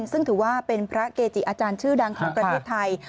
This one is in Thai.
ซึ่งถือว่าเป็นพระเกจิอาจารย์ชื่อดังของประเทศไทย